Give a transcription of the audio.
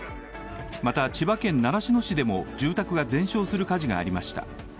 また千葉県習志野市でも住宅が全焼する火事がありました。